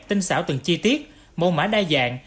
tinh xảo từng chi tiết mô mã đa dạng